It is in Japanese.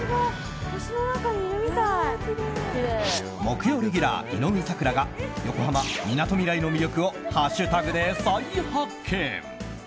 木曜レギュラー、井上咲楽が横浜みなとみらいの魅力をハッシュタグで再発見。